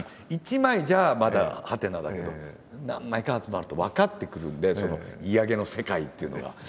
一枚じゃまだ「はてな」だけど何枚か集まると分かってくるんでそのいやげの世界っていうのが。